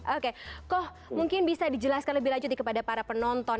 oke koh mungkin bisa dijelaskan lebih lanjut kepada para penonton